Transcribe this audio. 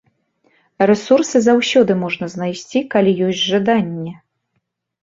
Рэсурсы заўсёды можна знайсці, калі ёсць жаданне.